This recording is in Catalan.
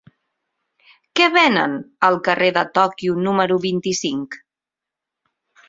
Què venen al carrer de Tòquio número vint-i-cinc?